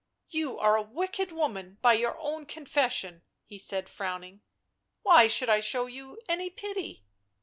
" You are a wicked woman, by your own confession," he said, frowning. " Why should I show you any pity?"